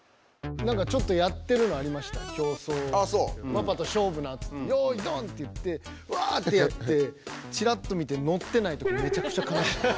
パパと勝負なっつってよいドンって言ってワーッてやってチラッと見てのってない時めちゃくちゃ悲しかった。